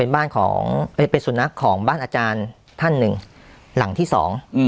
บ้านอาจารย์ท่านหนึ่งหลังที่สอง